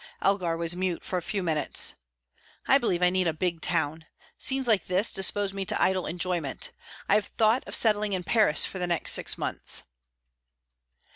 Elgar was mute for a few minutes. "I believe I need a big town. Scenes like this dispose me to idle enjoyment. I have thought of settling in Paris for the next six months."